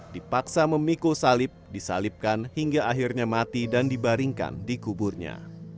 dipaksa memikul salib disalipkan hingga akhirnya mati dan dibaringkan di kuburnya